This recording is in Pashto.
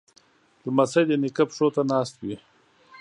لمسی د نیکه پښو ته ناست وي.